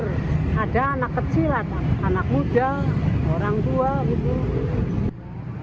ada anak kecil ada anak muda orang tua gitu